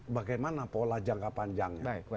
bagaimana pola jangka panjangnya